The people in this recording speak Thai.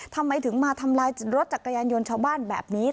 ทำไมถึงมาทำลายรถจักรยานยนต์ชาวบ้านแบบนี้